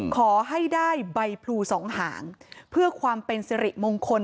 ขอให้ได้ใบพลูสองหางเพื่อความเป็นสิริมงคล